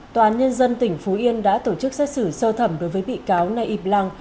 bán nhân dân tỉnh phú yên đã tổ chức xét xử sơ thẩm đối với bị cáo nay yip lang